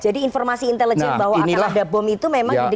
jadi informasi intelijen bahwa akan ada bom itu memang didengar juga oleh orang